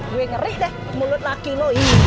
gue ngeri deh mulut laki lo ini